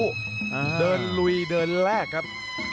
เดินลุยเดินแรกครับ